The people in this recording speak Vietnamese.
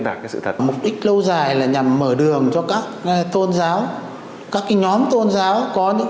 đạt cái sự thật mục đích lâu dài là nhằm mở đường cho các tôn giáo các cái nhóm tôn giáo có những